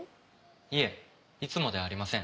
いえいつもではありません。